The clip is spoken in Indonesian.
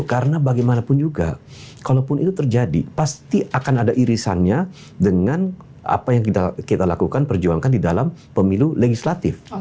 karena bagaimanapun juga kalaupun itu terjadi pasti akan ada irisannya dengan apa yang kita lakukan perjuangkan di dalam pemilu legislatif